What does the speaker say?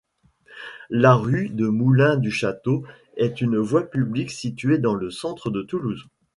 La rue du Moulin-du-Château est une voie publique située dans le centre-ville de Toulouse.